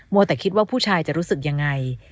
แต่คิดว่าผู้ชายจะรู้สึกยังไง